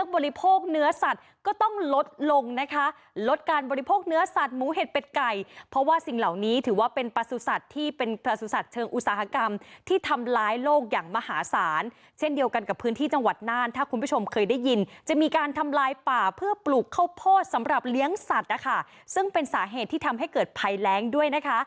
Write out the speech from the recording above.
บริโภคเนื้อสัตว์ก็ต้องลดลงนะคะลดการบริโภคเนื้อสัตว์หมูเห็ดเป็ดไก่เพราะว่าสิ่งเหล่านี้ถือว่าเป็นประสุทธิ์ที่เป็นประสุทธิ์เชิงอุตสาหกรรมที่ทำร้ายโลกอย่างมหาศาลเช่นเดียวกันกับพื้นที่จังหวัดน่านถ้าคุณผู้ชมเคยได้ยินจะมีการทำลายป่าเพื่อปลูกข้าวโพดสำหรับเลี้ยงสัตว์นะคะซึ่งเป็นสาเหตุที่ทำให้เกิดภัยแรงด้วยนะคะ